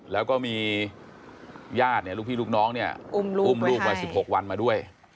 แล้วก็มีญาติลูกพี่ลูกน้องอุ้มลูกมา๑๖วันมาด้วย